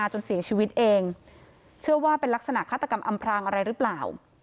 จนเสียชีวิตเองเชื่อว่าเป็นลักษณะฆาตกรรมอำพรางอะไรหรือเปล่า